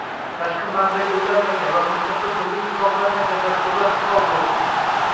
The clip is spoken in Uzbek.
tashqi manbaaga ulanmagan va mustaqil birlik hisoblangan dasturlar misol bo’lishi mumkin